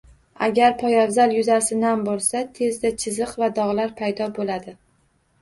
Agar poyabzal yuzasi nam bo‘lsa, tezda chiziq va dog‘lar paydo bo‘ladi